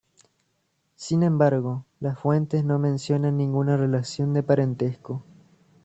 Sin embargo, las fuentes no mencionan ninguna relación de parentesco.